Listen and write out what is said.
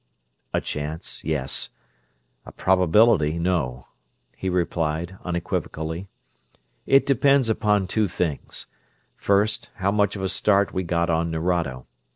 "A chance, yes. A probability, no," he replied, unequivocally. "It depends upon two things. First, how much of a start we got on Nerado.